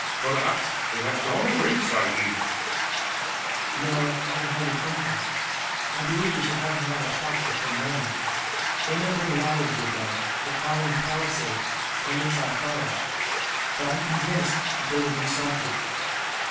"Perhaps they have gone away, sahib." "No, I can hardly think that. I believe we shall have another attack, before morning. They may bring ladders with them, for climbing the palisade; they may try fire; but I am convinced that they will do something.